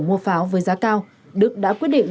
mua pháo với giá cao đức đã quyết định